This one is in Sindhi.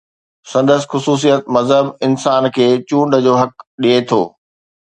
سندس خصوصيت مذهب انسان کي چونڊ جو حق ڏئي ٿو.